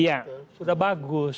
iya sudah bagus